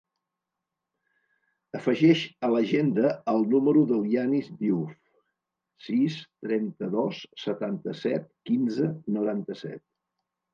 Afegeix a l'agenda el número del Yanis Diouf: sis, trenta-dos, setanta-set, quinze, noranta-set.